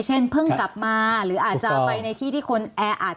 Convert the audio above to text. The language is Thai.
เพิ่งกลับมาหรืออาจจะไปในที่ที่คนแออัด